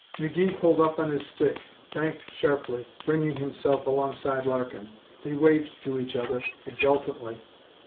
McGee pulled up on his stick, banked sharply, bringing himself alongside Larkin. They waved to each other, exultantly.